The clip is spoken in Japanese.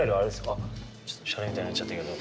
あちょっとしゃれみたいになっちゃったけど。